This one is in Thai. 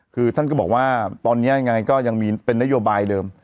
คือท่านก็บอกว่าตอนนี้ยังไงก็ยังมีเป็นนโยบายเดิม